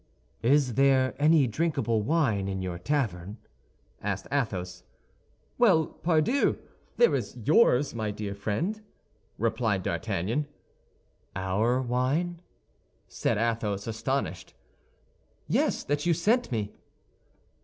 "Is there any drinkable wine in your tavern?" asked Athos. "Well, pardieu! there is yours, my dear friend," replied D'Artagnan. "Our wine!" said Athos, astonished. "Yes, that you sent me."